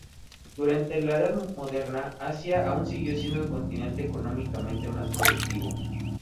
Durante la Edad Moderna, Asia aún siguió siendo el continente económicamente más productivo.